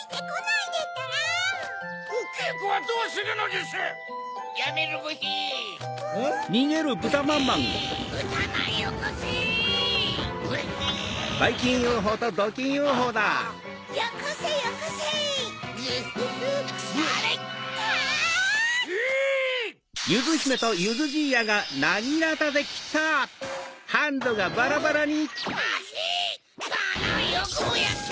このよくもやった。